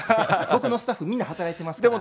僕のスタッフ、みんな働いてますから。